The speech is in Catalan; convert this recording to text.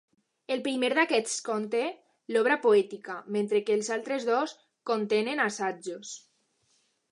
El primer d'aquests conté l'obra poètica, mentre que els altres dos contenen assajos.